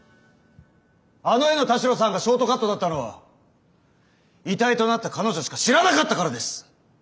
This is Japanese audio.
あの絵の田代さんがショートカットだったのは遺体となった彼女しか知らなかったからです！